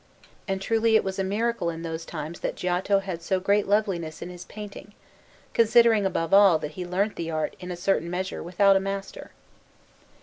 And truly it was a miracle in those times that Giotto had so great loveliness in his painting, considering, above all, that he learnt the art in a certain measure without a master.